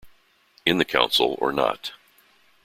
In the Council or not.